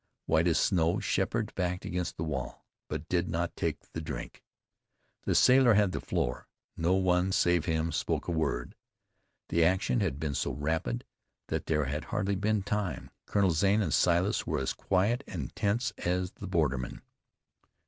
White as snow, Sheppard backed against the wall; but did not take the drink. The sailor had the floor; no one save him spoke a word. The action had been so rapid that there had hardly been time. Colonel Zane and Silas were as quiet and tense as the borderman.